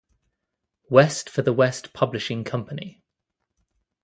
West for the West Publishing Company.